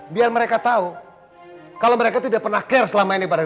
biar mereka tahu kalau mereka tuh udah pernah care selama ini pada riri